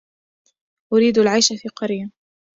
أريد العيش في قرية.